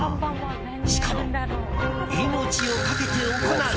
しかも、命をかけて行う。